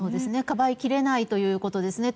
かばいきれないということですね。